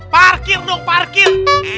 parkir dong parkir